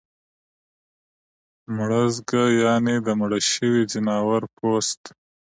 مړزګه یعنی د مړه شوي ځناور پوست